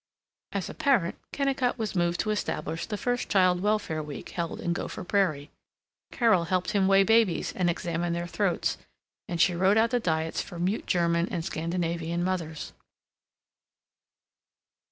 As a parent, Kennicott was moved to establish the first child welfare week held in Gopher Prairie. Carol helped him weigh babies and examine their throats, and she wrote out the diets for mute German and Scandinavian mothers.